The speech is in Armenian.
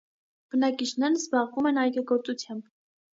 Բնակիչներն զբաղվում են այգեգործությամբ։